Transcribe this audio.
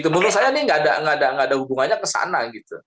menurut saya ini nggak ada hubungannya ke sana gitu